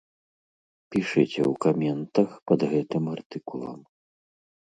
Пішыце ў каментах пад гэтым артыкулам.